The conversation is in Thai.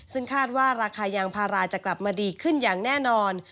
ซึ่งคาดว่าราคายางพาราจะกลับมาดีขึ้นอย่างแน่นอน